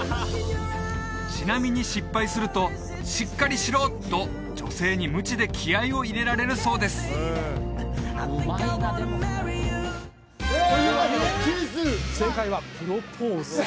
ちなみに失敗するとしっかりしろと女性にムチで気合を入れられるそうですというわけでキス正解は「プロポーズ」